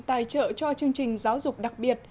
tài trợ cho chương trình giáo dục đặc biệt